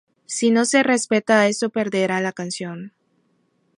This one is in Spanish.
Si no se respeta esto perderá la canción.